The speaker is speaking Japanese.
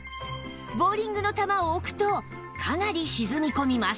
ボウリングの球を置くとかなり沈み込みます